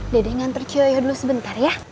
dede ngantar cuy yoyok dulu sebentar ya